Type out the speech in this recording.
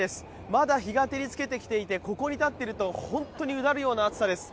まだ日が照りつけてきていてここに立っていると、本当にうだるような暑さです。